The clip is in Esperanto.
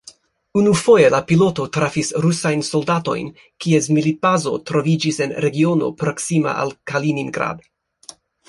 Unufoje la piloto trafis rusajn soldatojn, kies militbazo troviĝis en regiono proksima al Kaliningrad.